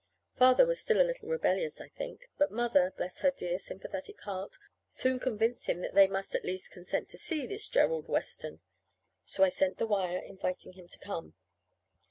Father was still a little rebellious, I think; but Mother bless her dear sympathetic heart! soon convinced him that they must at least consent to see this Gerald Weston. So I sent the wire inviting him to come.